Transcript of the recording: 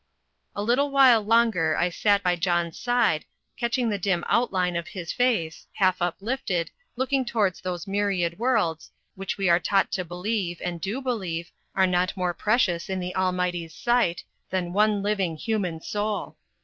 A little while longer I sat by John's side, catching the dim outline of his face, half uplifted, looking towards those myriad worlds, which we are taught to believe, and do believe, are not more precious in the Almighty sight than one living human soul.